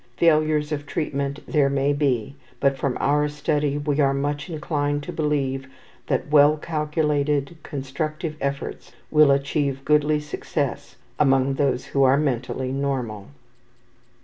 Failures of treatment there may be, but from our study we are much inclined to believe that well calculated, constructive efforts will achieve goodly success among those who are mentally normal.